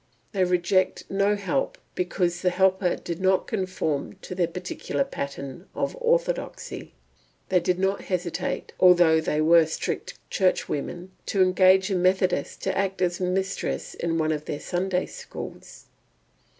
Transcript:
They rejected no help because the helper did not conform to their particular pattern of orthodoxy. They did not hesitate, although they were strict churchwomen, to engage a Methodist to act as mistress in one of their Sunday schools.